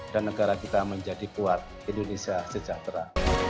dan negara kita menjadi kuat indonesia sejahtera